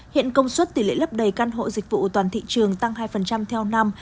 hiện công suất tỷ lệ lấp đầy căn hộ dịch vụ toàn thị trường tăng hai theo năm